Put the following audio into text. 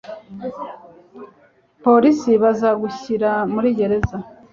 Abapolisi bazagushyira muri gereza.